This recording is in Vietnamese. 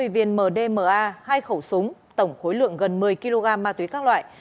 hai mươi viên mdma hai khẩu súng tổng khối lượng gần một mươi kg ma túy các loại